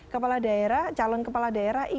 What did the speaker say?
kepala daerah calon kepala daerah